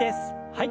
はい。